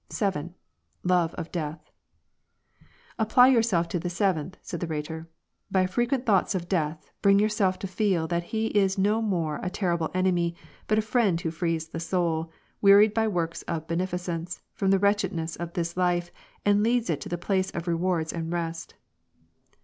1. Love of death, " Apply yourself to the seventh,*' said the Rhetor. " By frequent thoughts of Death, bring yourself to feel that He is no more a terrible enemy, but a friend who frees the soul, wearied by works of beneficence, from the wretchedness of this life and leads it into the place of rewards and rest."